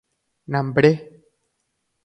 Nambre.